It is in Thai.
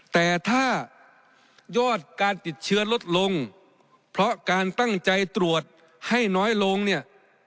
แต่ถ้ายอดการติดเชื้อลดลงเพราะการตั้งใจตรวจให้น้อยลงเนี่ย